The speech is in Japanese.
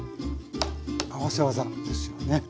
合わせ技ですよね。